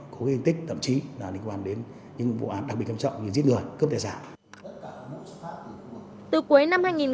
có gây hình tích tậm chí là liên quan đến những vụ án đặc biệt quan trọng như giết người cướp tài sản